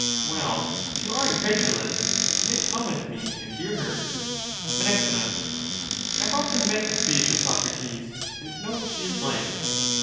Well, if you are incredulous, you may come with me and hear her. Men. I have often met Aspasia, Socrates, and know what she is like.